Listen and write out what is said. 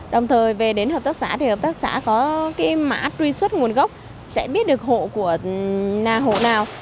đồng thời về đến hợp tác xã thì hợp tác xã có cái mã truy xuất nguồn gốc sẽ biết được hộ của hộ nào